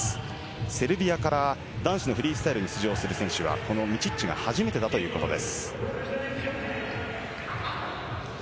セルビアから男子のフリースタイルに出場するのはこのミチッチが初めてだということです。